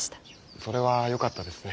それはよかったですね。